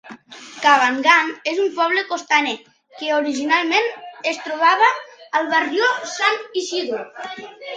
Cabangan és un poble costaner que originalment es trobava al Barrio San Isidro.